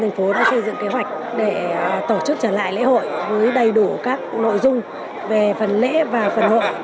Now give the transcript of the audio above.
thành phố đã xây dựng kế hoạch để tổ chức trở lại lễ hội với đầy đủ các nội dung về phần lễ và phần hội